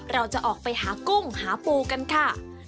เราจะออกไปหากุ้งหาปูกันค่ะ